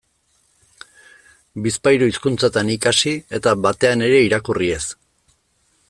Bizpahiru hizkuntzatan ikasi eta batean ere irakurri ez.